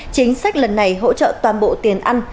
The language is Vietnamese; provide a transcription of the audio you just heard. chính sách lần này hỗ trợ toàn bộ tiền ăn